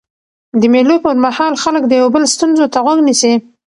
د مېلو پر مهال خلک د یو بل ستونزو ته غوږ نیسي.